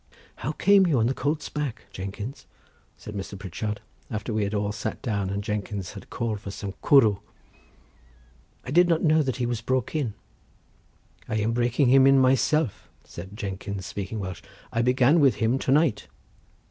"How came you on the colt's back, Jenkins?" said Mr. Pritchard, after we had all sat down and Jenkins had called for some cwrw. "I did not know that he was broke in." "I am breaking him in myself," said Jenkins, speaking Welsh. "I began with him to night."